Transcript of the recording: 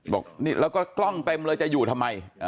บอกนี่แล้วก็กล้องเต็มเลยจะอยู่ทำไม